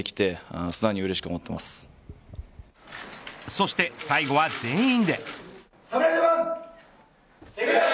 そして最後は全員で。